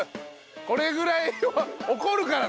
これぐらいは怒るからな。